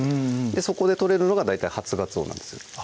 そこで取れるのが大体初がつおなんです